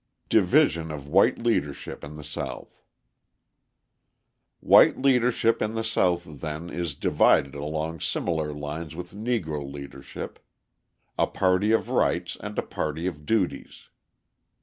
Division of White Leadership in the South White leadership in the South, then, is divided along similar lines with Negro leadership a party of rights and a party of duties.